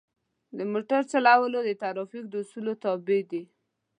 د موټر چلول د ترافیک د اصولو تابع دي.